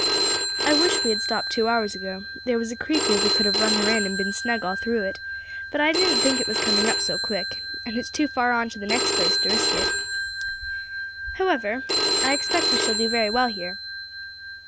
I wish we had stopped two hours ago; there was a creek where we could have run her in and been snug all through it, but I didn't think it was coming up so quick, and it's too far on to the next place to risk it; however, I expect we shall do very well here."